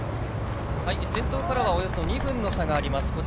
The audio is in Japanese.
先頭からは２分の差があります。